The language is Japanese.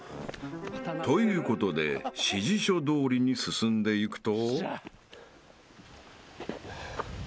［ということで指示書どおりに進んでいくと］